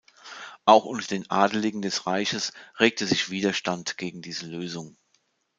Auch unter den Adligen des Reiches regte sich Widerstand gegen diese Lösung.